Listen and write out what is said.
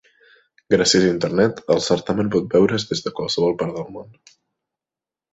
Gràcies a Internet, el certamen pot veure's des de qualsevol part del món.